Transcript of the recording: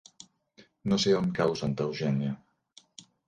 No sé on cau Santa Eugènia.